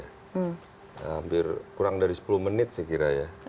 hampir kurang dari sepuluh menit saya kira ya